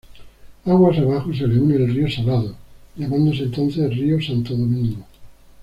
Aguas abajo se le une el río Salado, llamándose entonces río Santo Domingo.